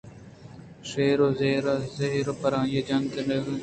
شیر ءَ زہر ءَ زہر پر آئی ءَ جنت نہردگے